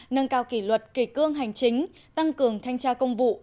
nâng cao kỷ luật kỷ cương hành chính tăng cường thanh tra công vụ